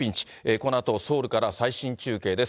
このあと、ソウルから最新中継です。